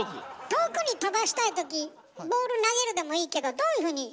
遠くに飛ばしたいときボール投げるでもいいけどどういうふうに。